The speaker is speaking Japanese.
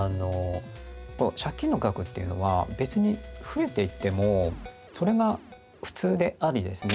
借金の額っていうのは別に増えていってもそれが普通でありですね